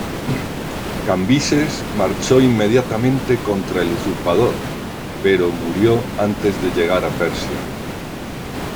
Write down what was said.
Cambises marchó inmediatamente contra el usurpador, pero murió antes de llegar a Persia.